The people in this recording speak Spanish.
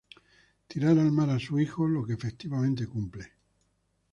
Tirar al mar a su hijo, lo que efectivamente cumple.